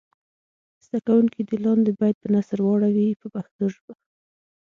زده کوونکي دې لاندې بیت په نثر واړوي په پښتو ژبه.